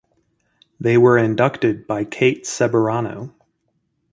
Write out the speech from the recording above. They were inducted by Kate Ceberano.